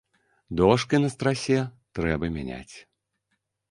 Дошкі на страсе трэба мяняць.